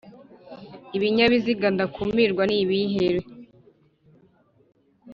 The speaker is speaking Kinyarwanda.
Ibinyabiziga ndakumirwa ni ibihe